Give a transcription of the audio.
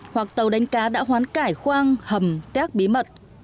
hoặc tàu đánh cá đã hoán cải khoang hầm các bí mật